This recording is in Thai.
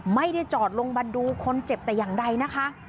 ไม่ได้จอดลงมาดูคนเจ็บแต่อย่างใดนะคะ